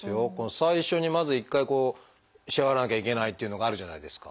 最初にまず一回支払わなきゃいけないっていうのがあるじゃないですか。